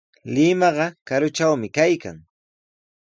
Limaqa karutrawmi kaykan.